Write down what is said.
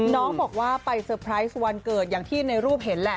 น้องบอกว่าไปเซอร์ไพรส์วันเกิดอย่างที่ในรูปเห็นแหละ